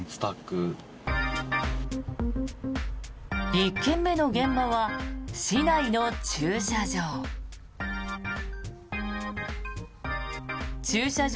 １件目の現場は市内の駐車場。